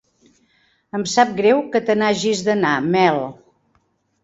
Em sap greu que te n'hagis d'anar, Mel.